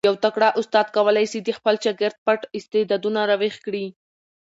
یو تکړه استاد کولای سي د خپل شاګرد پټ استعدادونه را ویښ کړي.